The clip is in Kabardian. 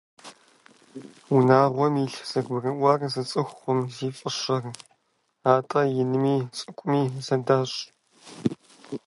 Унагъуэм илъ зэгурыӏуэр зы цӏыхукъым зи фӏыщӏэр, атӏэ инми цӏыкӏуми зэдайщ.